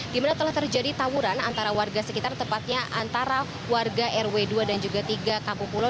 di mana telah terjadi tawuran antara warga sekitar tepatnya antara warga rw dua dan juga tiga kampung pulau